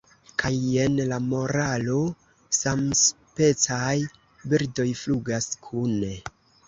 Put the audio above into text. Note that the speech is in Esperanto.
Kaj jen la moralo: 'Samspecaj birdoj flugas kune.'"